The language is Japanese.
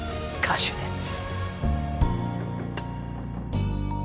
歌手です。